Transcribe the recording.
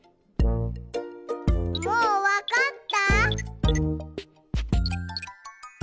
もうわかった？